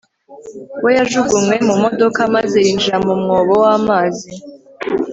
we yajugunywe mu modoka maze yinjira mu mwobo w'amazi